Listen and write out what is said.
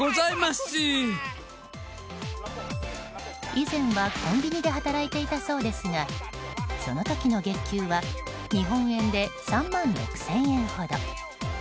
以前はコンビニで働いていたそうですがその時の月給は日本円で３万６０００円ほど。